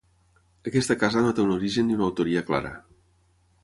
Aquesta casa no té un origen i una autoria clara.